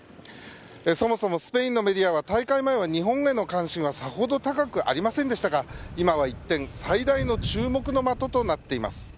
そもそもスペインのメディアは大会前は日本への関心はさほど高くありませんでしたが今は一転最大の注目の的となっています。